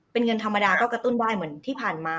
เป็นเงินธรรมดาก็กระตุ้นไหว้เหมือนที่ผ่านมา